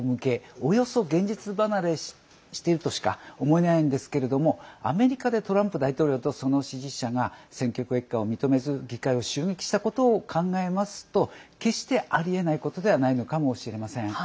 およそ、現実離れしているとしか思えないんですけれどもアメリカでトランプ大統領とその支持者が選挙結果を認めず議会を襲撃したことを考えますと決してありえないことではないのかもしれません。